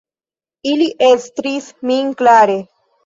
Ili estris min klare.